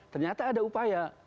ternyata ada upaya